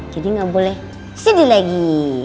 jadi gak boleh sedih lagi